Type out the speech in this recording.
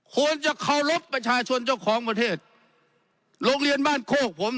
ควรจะเคารพประชาชนเจ้าของประเทศโรงเรียนบ้านโคกผม